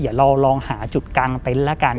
อย่าลองหาจุดกางเต็นท์ละกัน